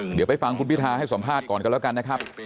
เดี๋ยวไปฟังคุณพิทาให้สัมภาษณ์ก่อนกันแล้วกันนะครับ